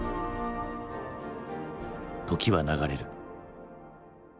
時は流れる。